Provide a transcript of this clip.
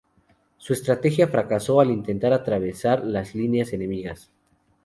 Su estrategia fracasó al intentar atravesar las líneas enemigas.